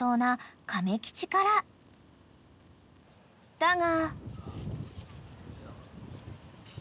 ［だが］